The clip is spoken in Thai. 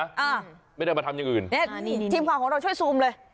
อ่าไม่ได้มาทำอย่างอื่นเนี้ยนี่ทีมข่าวของเราช่วยซูมเลย